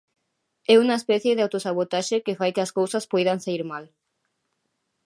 É unha especie de auto sabotaxe que fai que as cousas poidan saír mal.